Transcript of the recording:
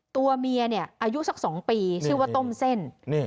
ตัวเมียเนี่ยอายุสักสองปีชื่อว่าต้มเส้น